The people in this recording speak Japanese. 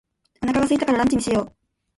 お腹が空いたからランチにしよう。